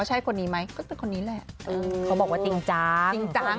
ตัวขนาดนี้ก็ต้องจริงจ้าง